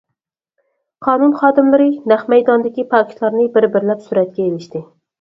قانۇن خادىملىرى نەق مەيداندىكى پاكىتلارنى بىر-بىرلەپ سۈرەتكە ئېلىشتى.